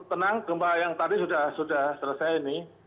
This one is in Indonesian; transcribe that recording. tenang gempa yang tadi sudah selesai ini